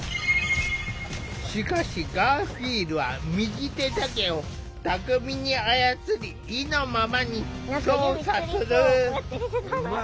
しかしガーフィールは右手だけを巧みに操り意のままに操作する。